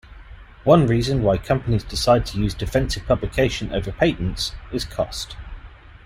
One reason why companies decide to use defensive publication over patents is cost.